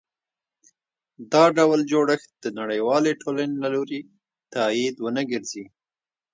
دا ډول جوړښت د نړیوالې ټولنې له لوري تایید ونه ګرځي.